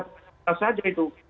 perintah saja itu